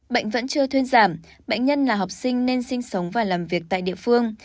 bệnh vẫn chưa thuyên giảm bệnh nhân là học sinh nên sinh sống và làm việc tại địa phương